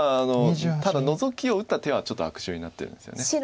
ただノゾキを打った手はちょっと悪手になってるんですよね。